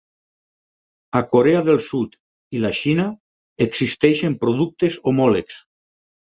A Corea del Sud i la Xina existeixen productes homòlegs.